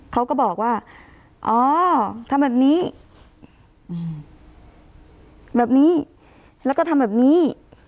เขาก็บอกว่าอ๋อทำแบบนี้แบบนี้แล้วก็ทำแบบนี้